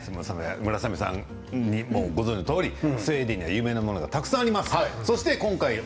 村雨さん、ご存じのとおりスウェーデンには有名なものがたくさんあります。